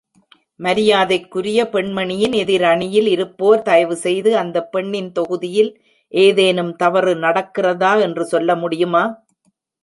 மரியாதைக்குரிய பெண்மனியின் எதிர் அணியில் இருப்போர் தயவுசெய்து அந்த பெண்ணின் தொகுதியில் ஏதேனும் தவறு நடக்கிறதா என்று சொல்ல முடியுமா?